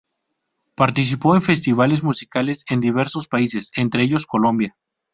Participó en festivales musicales en diversos países, entre ellos Colombia.